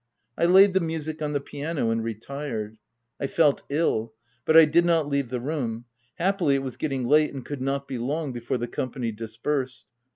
I laid the music on the piano, and retired. I felt ill; but I did not leave the room : happily, it was getting late and could not be long before the company dispersed.